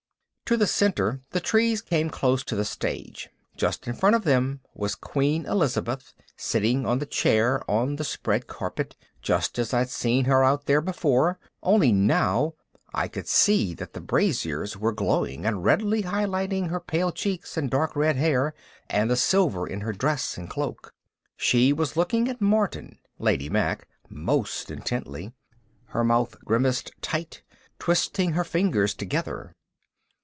To the center the trees came close to the stage. Just in front of them was Queen Elizabeth sitting on the chair on the spread carpet, just as I'd seen her out there before; only now I could see that the braziers were glowing and redly high lighting her pale cheeks and dark red hair and the silver in her dress and cloak. She was looking at Martin Lady Mack most intently, her mouth grimaced tight, twisting her fingers together.